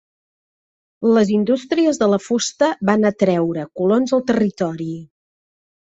Les indústries de la fusta van atreure colons al territori.